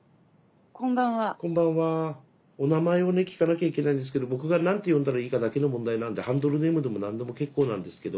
お名前をね聞かなきゃいけないんですけど僕が何て呼んだらいいかだけの問題なんでハンドルネームでも何でも結構なんですけど。